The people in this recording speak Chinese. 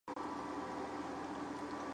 海悦国际是来自新加坡的酒店集团。